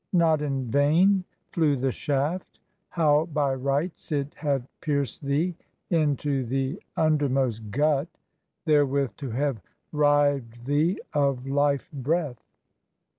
not in vain flew the shaft; how by rights it had pierced thee Into the undermost gut, therewith to have rived thee of life breath!